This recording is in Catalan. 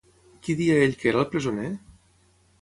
Qui deia ell que era el presoner?